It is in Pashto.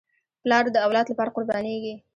پلار د اولاد لپاره قربانېږي.